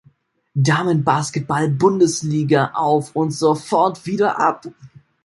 Damen-Basketball-Bundesliga auf und sofort wieder ab.